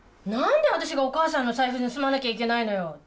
何で私がお母さんの財布盗まなきゃいけないのよ？